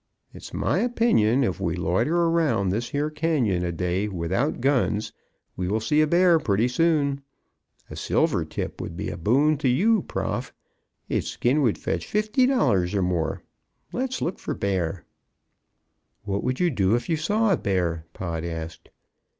It's my opinion if we loiter around this here canyon a day without guns we will see a bear pretty soon. A silvertip would be a boon to you, Prof; its skin would fetch fifty dollars or more. Let's look for bear." "What would you do if you saw a bear?" Pod asked.